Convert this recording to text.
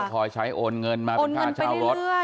คอยใช้โอนเงินมาเป็นค่าเช่ารถ